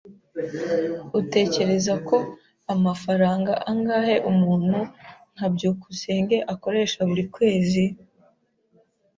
Utekereza ko amafaranga angahe umuntu nka byukusenge akoresha buri kwezi?